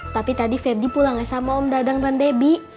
tapi tadi febdi pulangnya sama om dadang dan debbie